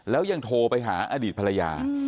แล้วยังโทรไปหาอดีตภรรยา